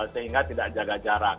sehingga tidak jaga jarak